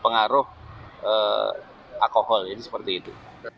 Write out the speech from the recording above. pengaruh alkohol jadi seperti itu